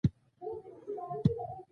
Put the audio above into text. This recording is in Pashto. پسه باید منظمه پاملرنه وشي.